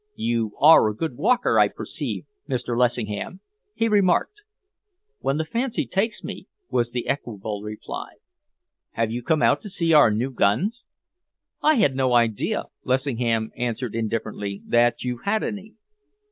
"You are a good walker, I perceive, Mr. Lessingham," he remarked. "When the fancy takes me," was the equable reply. "Have you come out to see our new guns?" "I had no idea," Lessingham answered indifferently, "that you had any."